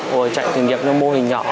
rồi chạy thử nghiệm cho mô hình nhỏ